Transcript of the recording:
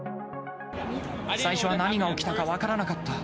最初は何が起きたか分からなかった。